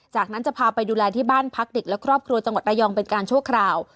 จากนั้นจะพาไปดูแลที่บ้านพักเด็กและครอบครัวจังหวัดระยองเป็นการชั่วคราว